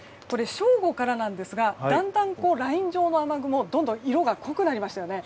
正午からなんですがだんだんライン状の雨雲のどんどん色が濃くなりましたよね。